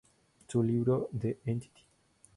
Su libro "The Entity.